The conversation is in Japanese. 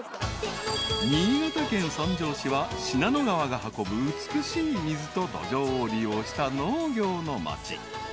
［新潟県三条市は信濃川が運ぶ美しい水と土壌を利用した農業の町］